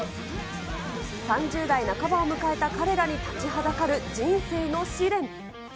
３０代半ばを迎えた彼らに立ちはだかる人生の試練。